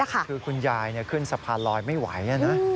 คือคุณยายขึ้นสะพานลอยไม่ไหวนะ